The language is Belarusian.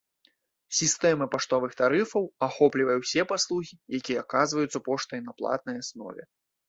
Сістэма паштовых тарыфаў ахоплівае ўсе паслугі, які аказваюцца поштай на платнай аснове.